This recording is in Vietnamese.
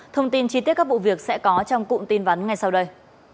thông tin chi tiết các vụ việc sẽ có trong cụm tin vắn ngay sau đây